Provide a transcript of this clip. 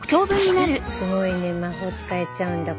すごいね魔法使えちゃうんだ